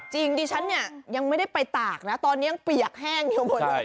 จริงดิฉันเนี่ยยังไม่ได้ไปตากนะตอนนี้ยังเปียกแห้งอยู่หมดเลย